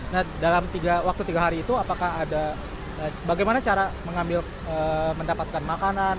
nah dalam waktu tiga hari itu apakah ada bagaimana cara mengambil mendapatkan makanan